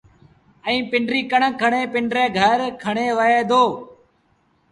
ائيٚݩ پنڊريٚ ڪڻڪ کڻي پنڊري گھر کڻيوهي دو